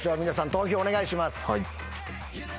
投票お願いします。